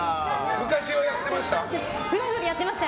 昔はやってました？